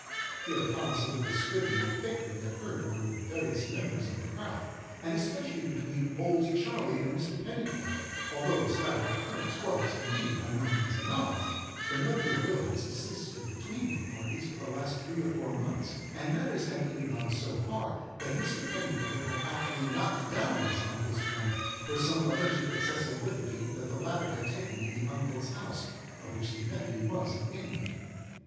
'" Hereupon some little squibbing and bickering occurred among various members of the crowd, and especially between "Old Charley" and Mr. Pennifeather—although this latter occurrence was, indeed, by no means a novelty, for little good will had subsisted between the parties for the last three or four months; and matters had even gone so far that Mr. Pennifeather had actually knocked down his uncle's friend for some alleged excess of liberty that the latter had taken in the uncle's house, of which the nephew was an inmate.